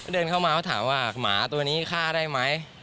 เดินเข้ามาเขาถามว่าหมาตัวนี้ฆ่าได้ไหม